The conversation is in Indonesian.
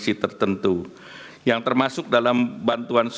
ini juga diberlakukan januari dua ribu dua puluh empat